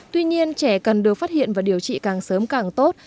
tuy nhiên trẻ cần được phát hiện và điều trị càng sớm càng tốt